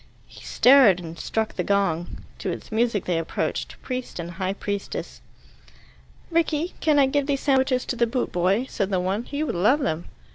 He stared, and struck the gong. To its music they approached, priest and high priestess. "Rickie, can I give these sandwiches to the boot boy?" said the one. "He would love them."